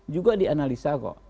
juga dianalisa kok